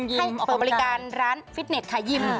เปิดบริการร้านฟิตเนสค่ะยิม